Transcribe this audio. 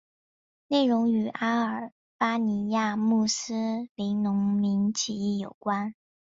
内容与阿尔巴尼亚穆斯林农民起义有关。